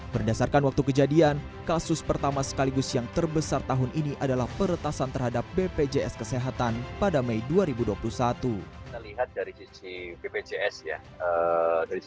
berdasarkan waktu kejadian kasus pertama sekaligus yang terbesar tahun ini adalah peretasan terhadap bpjs kesehatan pada mei dua ribu dua puluh satu